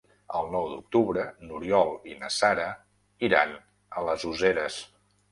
El nou d'octubre n'Oriol i na Sara iran a les Useres.